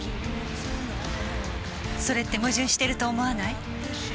それって矛盾してると思わない？